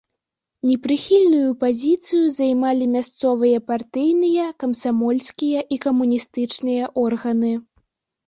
Непрыхільную пазіцыю займалі мясцовыя партыйныя, камсамольскія і камуністычныя органы.